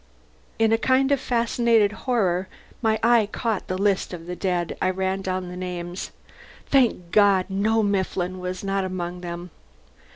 In a kind of fascinated horror my eye caught the list of the dead. I ran down the names. Thank God, no, Mifflin was not among them.